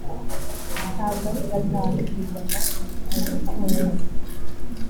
ntabwo ari gatanu ku ijana munyumve neza